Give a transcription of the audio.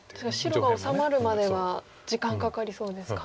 白が治まるまでは時間かかりそうですか。